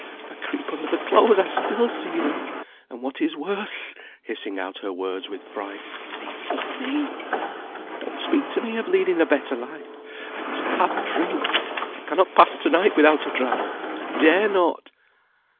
If I creep under the clothes I still see them; and what is worse," hissing out her words with fright, "they see me. Don't speak to me of leading a better life I must have drink. I cannot pass to night without a dram; I dare not."